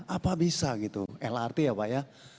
apa bisa gitu lrt ya pak ya